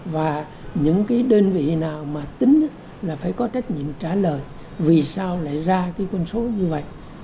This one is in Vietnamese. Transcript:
và những cái đơn vị nào mà tính là phải có trách nhiệm trả lời vì sao lại ra cái con số như vậy